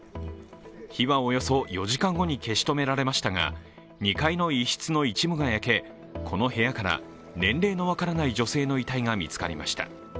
火はおよそ４時間後に消し止められましたが、２階の一室の一部が焼けこの部屋から年齢の分からない女性の遺体が見つかりました。